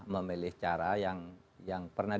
memilih cara yang pernah